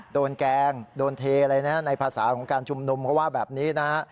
แกล้งโดนเทอะไรนะในภาษาของการชุมนุมเขาว่าแบบนี้นะฮะ